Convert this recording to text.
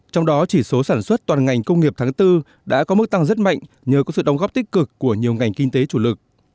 trong đó chỉ số sản xuất toàn ngành công nghiệp tháng bốn đã có mức tăng rất mạnh nhờ có sự đóng góp tích cực của nhiều ngành kinh tế chủ lực